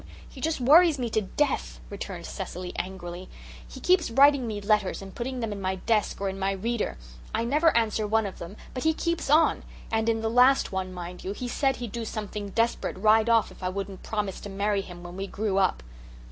He just worries me to death," returned Cecily angrily. "He keeps writing me letters and putting them in my desk or in my reader. I never answer one of them, but he keeps on. And in the last one, mind you, he said he'd do something desperate right off if I wouldn't promise to marry him when we grew up."